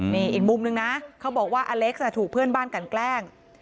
นี่อีกมุมนึงนะเขาบอกว่าอเล็กซ์ถูกเพื่อนบ้านกันแกล้ง